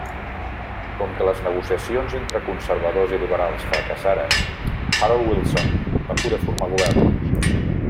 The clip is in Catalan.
Com que les negociacions entre conservadors i liberals fracassaren, Harold Wilson va poder formar govern.